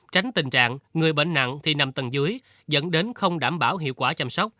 tránh tình trạng người bệnh nặng thì nằm tầng dưới dẫn đến không đảm bảo hiệu quả chăm sóc